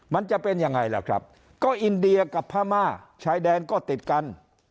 มันจะเป็นยังไงล่ะครับก็อินเดียกับพม่าชายแดนก็ติดกัน